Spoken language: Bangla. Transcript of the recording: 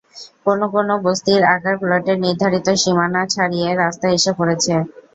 কোনো কোনো বস্তির আকার প্লটের নির্ধারিত সীমানা ছাড়িয়ে রাস্তায় এসে পড়েছে।